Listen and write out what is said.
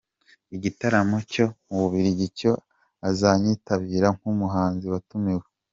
Igitaramo cyo mu Bubiligi cyo azacyitabira nk'umuhanzi watumiwe.